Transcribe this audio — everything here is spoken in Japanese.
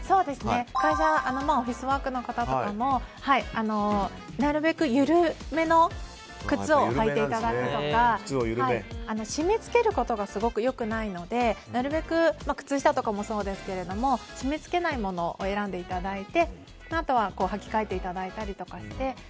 会社でオフィスワークの方とかもなるべく緩めの靴を履いていただくとか締め付けることがすごく良くないのでなるべく靴下とかもそうですが締め付けないものを選んでいただいてあとは履き替えていただいたりして。